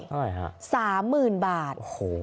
ใช่ค่ะอ๋อค่ะ๓หมื่นบาท